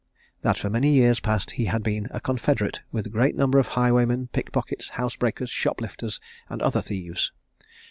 That for many years past he had been a confederate with great numbers of highwaymen, pick pockets, housebreakers, shop lifters, and other thieves.